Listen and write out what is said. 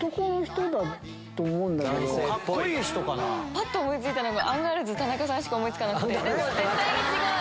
パッと思いついたのがアンガールズ・田中さんしか思いつかなくてでも絶対に違う！